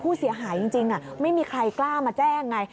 ผู้เสียหายจริงไม่มีใครกล้ามาแจ้งไง